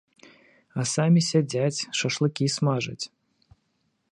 А самі сядзяць, шашлыкі смажаць.